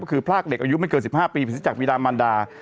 ก็คือพลากเด็กอายุไม่เกินสิบห้าปีพฤศจักรวีรามันดา